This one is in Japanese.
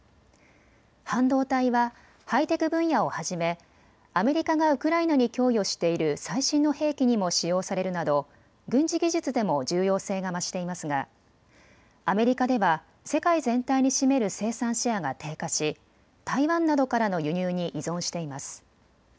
半導体はハイテク分野をはじめアメリカがウクライナに供与している最新の兵器にも使用されるなど軍事技術でも重要性が増していますがアメリカでは世界全体に占める生産シェアが低下し台湾などからの輸入に依存しています。